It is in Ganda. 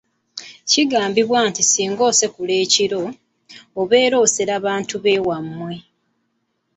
Kigambibwa nti singa osekula ekiro, obeera osera bantu b'ewammwe.